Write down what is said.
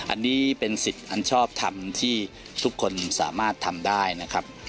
อันนี้เป็นสิทธิ์อันชอบทำที่ทุกคนสามารถทำได้นะครับ